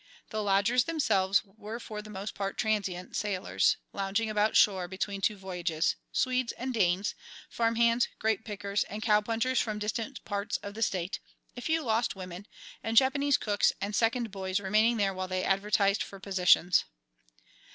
The lodgers themselves were for the most part "transients," sailors lounging about shore between two voyages, Swedes and Danes, farmhands, grape pickers, and cow punchers from distant parts of the state, a few lost women, and Japanese cooks and second boys remaining there while they advertised for positions.